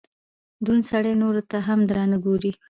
دروند سړئ نورو ته هم درانه ګوري